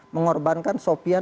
mengorbankan sopian dan sopian